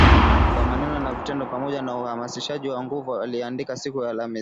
kwa maneno na vitendo pamoja na uhamasishaji wa nguvu aliandika siku ya Alhamisi